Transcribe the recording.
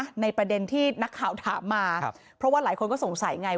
ในประเด็นที่นักข่าวถามมาครับเพราะว่าหลายคนก็สงสัยไง